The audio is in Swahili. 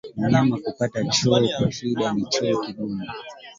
Mnyama kupata choo kwa shida na choo kigumu